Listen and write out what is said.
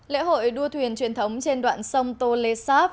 lễ hội đua thuyền truyền thống trên đoạn sông tolesav